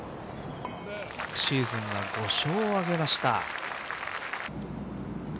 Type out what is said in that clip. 昨シーズンは５勝を挙げました。